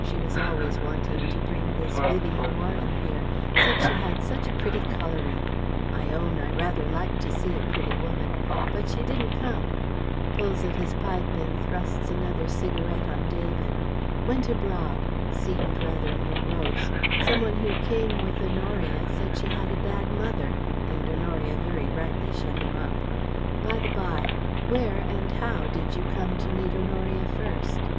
She was always wanting to bring this Vivien Warren here. Said she had such a pretty colouring. I own I rather like to see a pretty woman. But she didn't come" (pulls at his pipe and thrusts another cigarette on David). "Went abroad. Seemed rather morose. Some one who came with Honoria said she had a bad mother, and Honoria very rightly shut him up. By the bye, where and how did you come to meet Honoria first?"